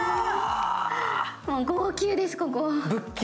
もう号泣です、ここ。